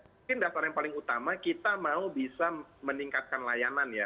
mungkin dasar yang paling utama kita mau bisa meningkatkan layanan ya